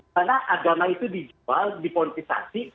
karena adama itu dijual dipolitikasi